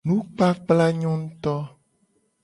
Nukpakpla nyo nguuto.